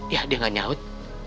ya dia gak nyaut